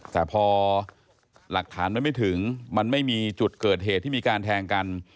แต่พอหลักฐานมันไม่ถึงมันไม่มีจุดเกิดเหตุที่มีการแทงกัน